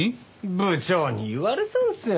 部長に言われたんすよ。